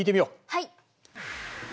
はい。